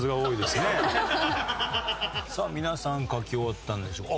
皆さん書き終わったんでしょうか？